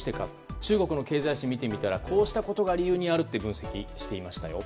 中国の経済誌を見るとこうしたことが理由にあると分析していましたよ。